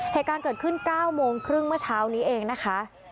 เหตุการณ์เกิดขึ้น๙โมงครึ่งเมื่อเช้านี้เองนะคะ